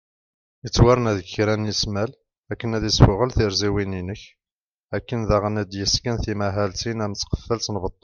Ittwarna deg kra n ismal akken ad isfuγel tirziwin inek , akken daγen ad d-yesken timahaltin am tqefalt n beṭṭu